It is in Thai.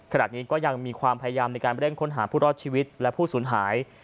ขณะนี้ก็ยังมีความพยายามในการเร่งค้นหาผู้รอดชีวิตและผู้สูญหาย